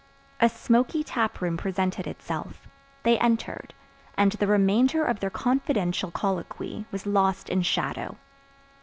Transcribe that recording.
A smoky tap room presented itself; they entered, and the remainder of their confidential colloquy was lost in shadow.